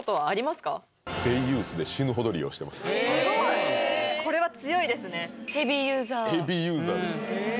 スゴいこれは強いですねヘビーユーザーです